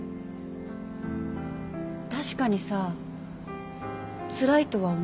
確かにさつらいとは思う。